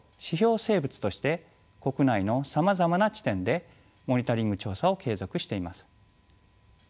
生物として国内のさまざまな地点でモニタリング調査を継続しています。